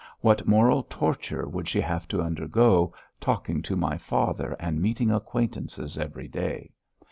What moral torture would she have to undergo, talking to my father and meeting acquaintances every day?